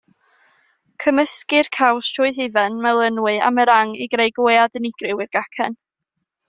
Cymysgir caws trwy hufen, melynwy a meringue i greu gwead unigryw i'r gacen.